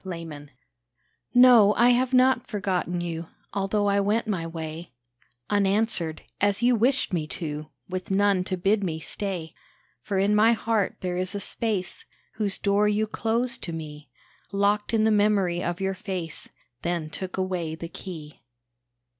A MEMORY No, I have not forgotten you, Although I went my way Unanswered, as you wished me to, With none to bid me stay. For in my heart there is a space Whose door you closed to me, Locked in the memory of your face; Then took away the key.